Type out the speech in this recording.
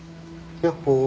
やっほー。